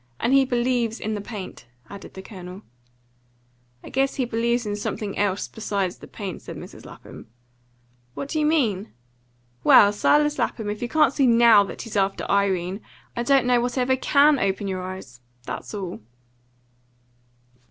And he believes in the paint," added the Colonel. "I guess he believes in something else besides the paint," said Mrs. Lapham. "What do you mean?" "Well, Silas Lapham, if you can't see NOW that he's after Irene, I don't know what ever CAN open your eyes. That's all."